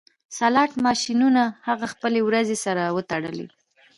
سلاټ ماشینونه هغه خپلې وروځې سره وتړلې